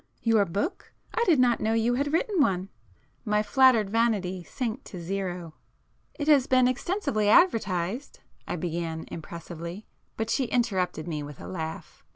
"Your book? I did not know you had written one?" My flattered vanity sank to zero. "It has been extensively advertised," I began impressively,—but she interrupted me with a laugh.